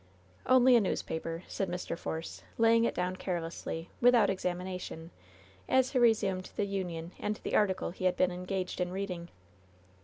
"Only a newspaper,'^ said Mr. Force, laying it down carelessly, without examination, as he resumed the Union and the article he had been engaged in reading.